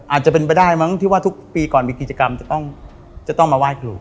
อาจจะเป็นไปได้มั้งที่ว่าทุกปีก่อนมีกิจกรรมจะต้องมาไหว้ครู